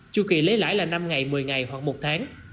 chu kỳ lấy lãi là năm ngày một mươi ngày hoặc một tháng